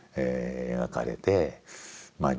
描かれてまあ